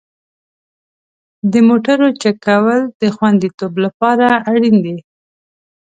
د موټرو چک کول د خوندیتوب لپاره اړین دي.